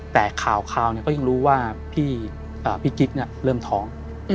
แต่ข่าวก็ยังรู้ว่าพี่กิ๊กเริ่มท้อง